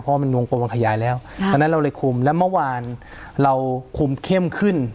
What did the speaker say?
เพราะว่ามันวงกลมมันขยายแล้วเพราะฉะนั้นเราเลยคุมแล้วเมื่อวานเราคุมเข้มขึ้น